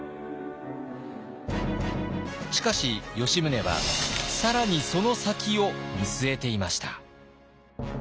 しかし吉宗は更にその先を見据えていました。